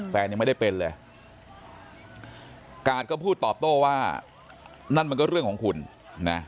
ยังไม่ได้เป็นเลยกาดก็พูดตอบโต้ว่านั่นมันก็เรื่องของคุณนะ